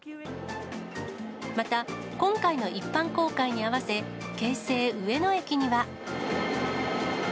また、今回の一般公開に合わせ、京成上野駅には。